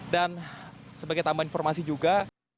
dan sebagai tambahan informasi juga